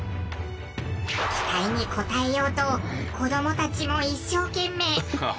期待に応えようと子どもたちも一生懸命！